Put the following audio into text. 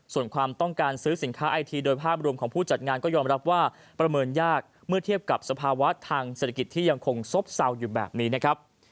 ส่วนความต้องการซื้อสินค้าไอทีโดยภาพรวมของผู้จัดงานก็ยอมรับว่าประเมินยากเมื่อเทียบกับสภาวะทางเศรษฐกิจที่ยังคงซบเศร้าอยู่แบบนี้นะครับ